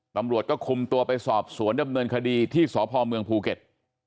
ตำรวจก็คุมตัวไปสอบสวนดำเนินคดีที่สพเมืองภูเก็ต